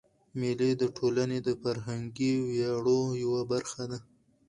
مېلې د ټولني د فرهنګي ویاړو یوه برخه ده.